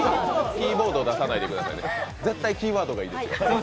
キーボードを出さないでくださいね、絶対キーワードがいい。